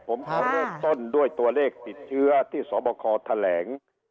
ผมเอาเรื่องต้นด้วยตัวเลขติดเชื้อที่สภาคอธแหลง